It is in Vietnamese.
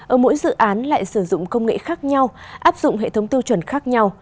ở mỗi dự án lại sử dụng công nghệ khác nhau áp dụng hệ thống tiêu chuẩn khác nhau